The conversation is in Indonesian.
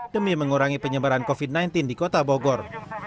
demi mengurangi penyebaran covid sembilan belas di kota bogor